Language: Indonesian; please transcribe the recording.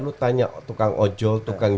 lu tanya tukang ojol tukang